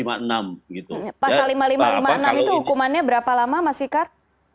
pasal lima ribu lima ratus lima puluh enam itu hukumannya berapa lama mas fikar